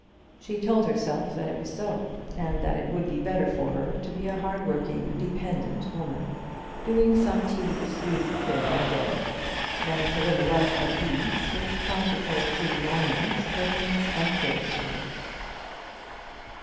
She told herself that it was so, and that it would be better for her to be a hard working, dependent woman, doing some tedious duty day by day, than to live a life of ease which prompted her to longings for things unfitted to her.